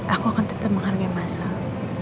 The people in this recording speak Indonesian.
aku akan tetap menghargai masalah